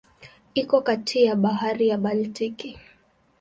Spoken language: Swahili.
Iko kati ya Bahari ya Baltiki.